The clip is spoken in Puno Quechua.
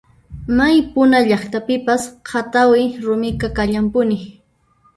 May puna llaqtapipas q'atawi rumiqa kallanpuni.